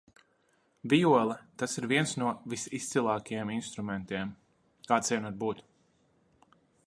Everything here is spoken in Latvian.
Vijole, tas ir viens no visizcilākajiem instrumentiem, kāds vien var būt.